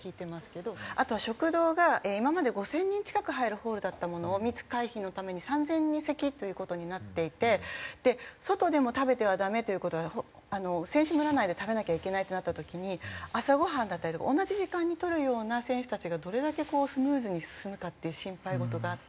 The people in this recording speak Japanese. あとは食堂が今まで５０００人近く入るホールだったものを密回避のために３０００席という事になっていて外でも食べてはダメという事は選手村内で食べなきゃいけないってなった時に朝ごはんだったりとか同じ時間にとるような選手たちがどれだけスムーズに進むかっていう心配事があって。